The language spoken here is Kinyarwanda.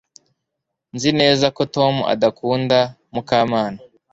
Nzi neza ko Tom adakunda Mukamana